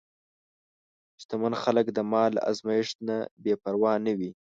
شتمن خلک د مال له ازمېښت نه بېپروا نه وي.